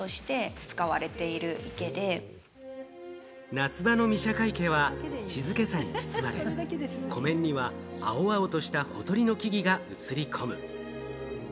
夏場の御射鹿池は静けさに包まれ、湖面には青々としたほとりの木々が映り込む。